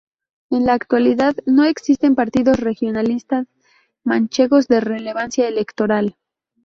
En la actualidad, no existen partidos regionalistas manchegos de relevancia electoral.